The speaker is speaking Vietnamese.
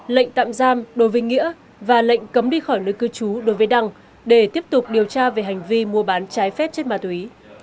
lệnh tạm giam đối với nghĩa và lệnh cấm đi khỏi nơi cư trú đối với đăng để tiếp tục điều tra về hành vi mua bán trái phép chất ma túy